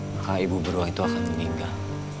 maka ibu beruah itu akan meninggal